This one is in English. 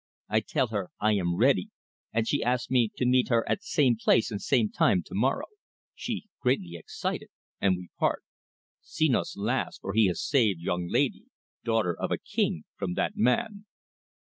I tell her I am ready, and she askes me to meet her at same place and same time to morrow. She greatly excited, and we part. Senos laughs, for he has saved young laidee daughter of a king from that man."